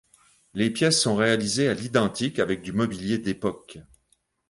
Les pièces sont réalisées à l'identique avec du mobilier d'époque.